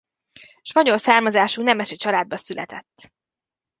Spanyol származású nemesi családba született.